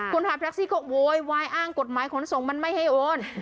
คุณพาแท็กซี่ก็โวยวายอ้างกฎหมายขนส่งมันไม่ให้โอน